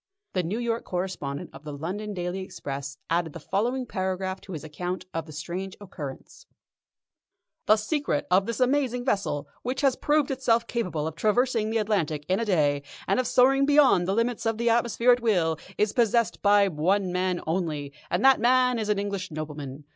The New York correspondent of the London Daily Express added the following paragraph to his account of the strange occurrence: "The secret of this amazing vessel, which has proved itself capable of traversing the Atlantic in a day, and of soaring beyond the limits of the atmosphere at will, is possessed by one man only, and that man is an English nobleman.